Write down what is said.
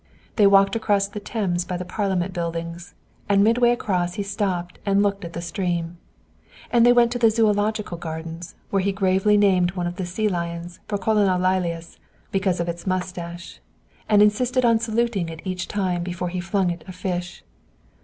They walked across the Thames by the Parliament buildings, and midway across he stopped and looked long at the stream. And they went to the Zoölogical Gardens, where he gravely named one of the sea lions for Colonel Lilias because of its mustache, and insisted on saluting it each time before he flung it a fish.